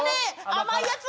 甘いやつ！